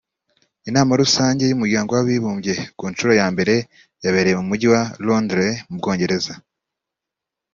Inama rusange y’umuryango w’abibumbye ku nshuro ya mbere yabereye mu mujyi wa Londres mu bwongereza